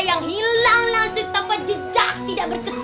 yang hilang maksud tanpa jejak tidak berkesan